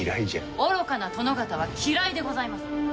愚かな殿方は嫌いでございます。